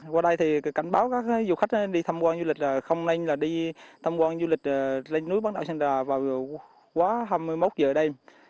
qua đây thì cảnh báo các du khách đi tham quan du lịch là không nên đi tham quan du lịch lên núi bán đảo sơn trà vào quá hai mươi một giờ đêm